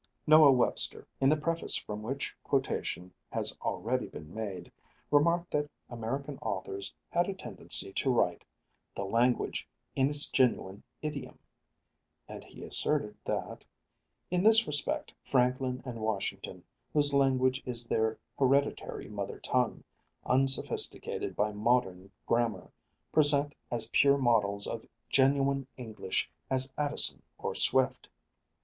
Noah Webster, in the preface from which quotation has already been made, remarked that American authors had a tendency to write "the language in its genuine idiom," and he asserted that "in this respect Franklin and Washington, whose language is their hereditary mother tongue, unsophisticated by modern grammar, present as pure models of genuine English as Addison or Swift."